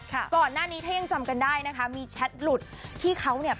ก่อนหน้านี้ถ้ายังจำกันได้นะคะมีแชทหลุดที่เขาเนี่ย